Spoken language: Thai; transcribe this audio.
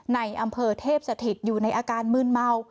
ในอำเภอเทพสถิตอยู่ในอาการมืนเมา